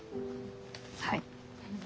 はい。